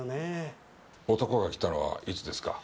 男が来たのはいつですか？